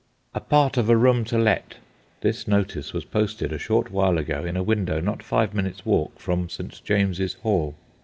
"A part of a room to let." This notice was posted a short while ago in a window not five minutes' walk from St. James's Hall.